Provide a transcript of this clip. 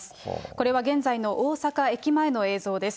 これは現在の大阪駅前の映像です。